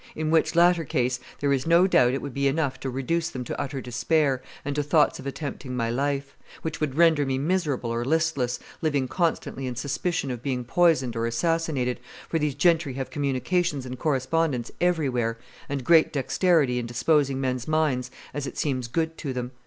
In which latter case, there is no doubt it would be enough to reduce them to utter despair, and to thoughts of attempting my life; which would render me miserable or listless, living constantly in suspicion of being poisoned or assassinated, for these gentry have communications and correspondence everywhere, and great dexterity in disposing men's minds as it seems good to them.